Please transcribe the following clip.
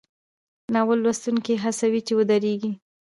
ناول لوستونکی هڅوي چې ودریږي.